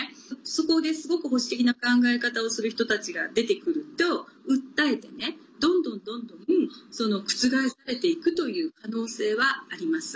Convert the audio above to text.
そこで、すごく保守的な考え方をする人たちが出てくると訴えて、どんどん、どんどん覆されていくという可能性はあります。